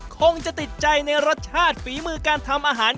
คงจะติดใจในรสชาติฝีมือการทำอาหาร